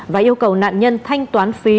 và yêu cầu nạn nhân thanh toán phí